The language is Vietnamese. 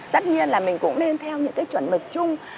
tất nhiên là mình cũng nên theo những cái chuẩn mực chung